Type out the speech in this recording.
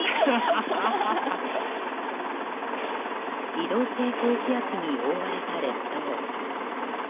移動性高気圧に覆われた列島。